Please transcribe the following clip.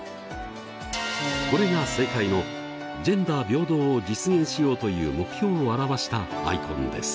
これが正解の「ジェンダー平等を実現しよう」という目標を表したアイコンです。